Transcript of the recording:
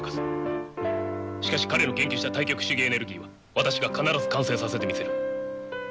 しかし彼の研究した対極主義エネルギーは私が必ず完成させてみせる。